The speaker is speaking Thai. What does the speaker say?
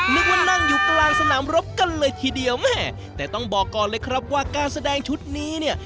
นึกว่านั่งอยู่กลางสนามรบกันเลยทีเดียวแม่แต่ต้องบอกก่อนเลยครับว่าการแสดงชุดนี้เนี่ย